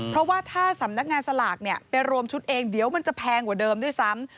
เพราะว่าถ้าสำนักงานสลากไปรวมชุดเองเดี๋ยวมันจะแพงกว่าเดิมด้วยซ้ำ